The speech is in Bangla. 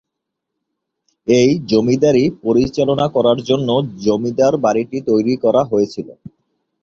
এই জমিদারি পরিচালনা করার জন্য জমিদার বাড়িটি তৈরি করা হয়েছিল।